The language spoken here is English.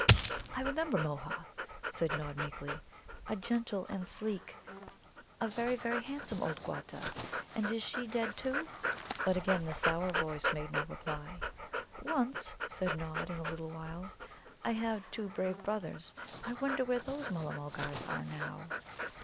"I remember Môha," said Nod meekly, "a gentle and sleek, a very, very handsome old Quatta. And is she dead, too?" But again the sour voice made no reply. "Once," said Nod, in a little while, "I had two brave brothers. I wonder where those Mulla mulgars are now?"